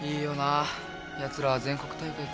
ヤツらは全国大会か。